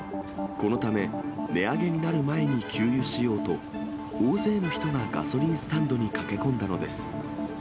このため、値上げになる前に給油しようと、大勢の人がガソリンスタンドに駆け込んだのです。